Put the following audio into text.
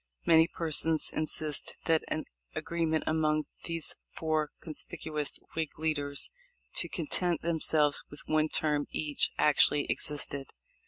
Many persons in sist that an agreement among these four conspicuous Whig leaders to content themselves with one term each actually ex isted.